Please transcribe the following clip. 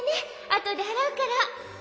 あとであらうから。